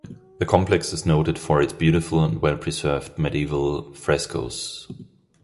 The complex is noted for its beautiful and well-preserved medieval frescoes.